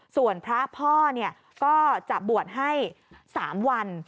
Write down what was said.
ส่วนพระพ่อก็จะบวชให้๓วัน